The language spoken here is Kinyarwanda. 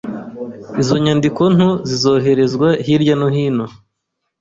izo nyandiko nto zizoherezwa hirya no hino.